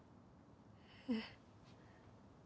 えっ。